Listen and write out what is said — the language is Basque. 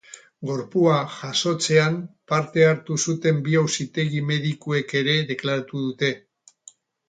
Gorpua jasotzean parte hartu zuten bi auzitegi-medikuek ere deklaratu dute.